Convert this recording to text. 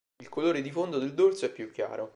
Il colore di fondo del dorso è più chiaro.